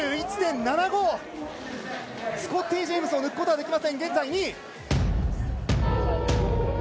スコッティ・ジェームズを抜くことはできません現在、２位。